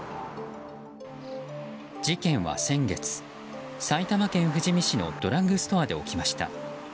事件は先月、埼玉県富士見市のドラッグストアで起きました。